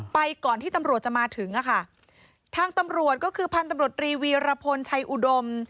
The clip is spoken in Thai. ก่อนที่ตำรวจจะมาถึงอะค่ะทางตำรวจก็คือพันธุ์ตำรวจรีวีรพลชัยอุดม